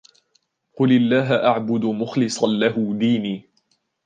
قُلِ اللَّهَ أَعْبُدُ مُخْلِصًا لَهُ دِينِي